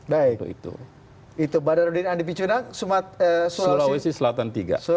baik itu badar udin andi picunang sulawesi selatan tiga